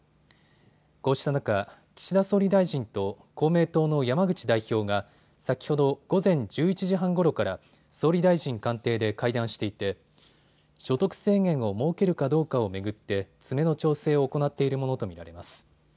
こうした中、岸田総理大臣と公明党の山口代表が先ほど午前１１時半ごろから総理大臣官邸で会談していて所得制限を設けるかどうかを巡って詰めの調整を行っているものと見られます。